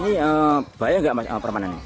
itu bahaya gak sama permanen